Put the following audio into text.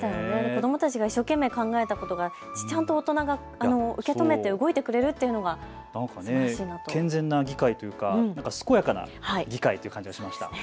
子どもたちが一生懸命考えたことがちゃんと大人が受け止めて動いてくれるというのがすごいなと、健全な議会というか健やかな議会という感じがしました。